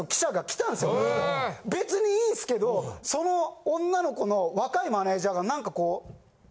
別にいいんすけどその女の子の若いマネジャーが何かこう。